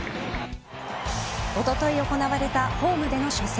おととい行われたホームでの初戦。